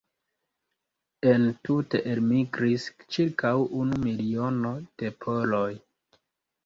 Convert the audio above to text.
Entute elmigris ĉirkaŭ unu miliono de poloj.